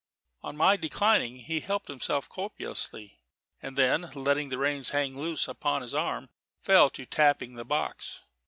On my declining, he helped himself copiously; and then, letting the reins hang loose upon his arm, fell to tapping the box.